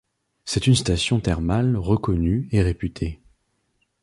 C'est une station thermale reconnue et réputée.